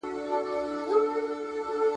د علماوو او روحانيونو رول په ټولنه کي اړین دی.